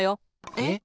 えっ？